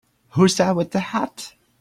Who's that with the hat?